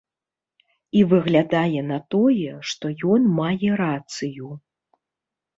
І выглядае на тое, што ён мае рацыю.